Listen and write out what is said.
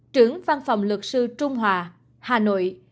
trưởng văn phòng lực sư trung hòa hà nội